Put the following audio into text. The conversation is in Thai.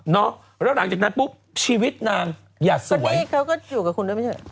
เนาะแล้วหลังจากนั้นปุ๊บชีวิตนางอย่าสวยท่านนี่ก็อยู่กับคุณได้มั้ยมันใช่ไหม